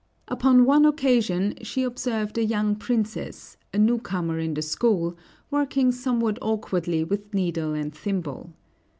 Upon one occasion she observed a young princess, a newcomer in the school, working somewhat awkwardly with needle and thimble.